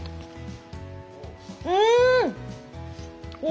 うん！